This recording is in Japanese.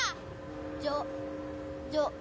じょじょ。